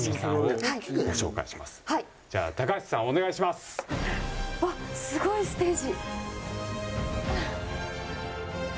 すごいステージ！